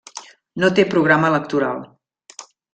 No té programa electoral.